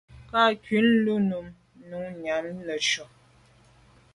Kà ghùtni wul o num nu yàm neshu.